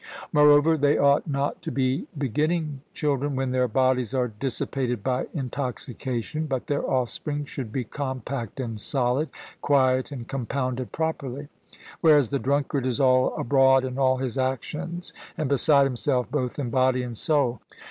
Moreover, they ought not to begetting children when their bodies are dissipated by intoxication, but their offspring should be compact and solid, quiet and compounded properly; whereas the drunkard is all abroad in all his actions, and beside himself both in body and soul.